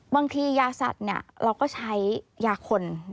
บางทียาสัตว์เราก็ใช้ยาคน